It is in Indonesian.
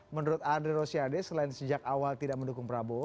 menurut andre rosiade selain sejak awal tidak mendukung prabowo